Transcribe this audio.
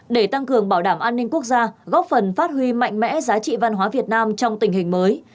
để tăng cường bảo đảm an ninh quốc gia góp phần phát huy mạnh mẽ giá trị văn hóa việt nam trong tình hình mới